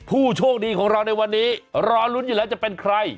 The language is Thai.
ผู้โชคดีของเราในวันนี้รอลุ้นอยู่แล้วจะเป็นใคร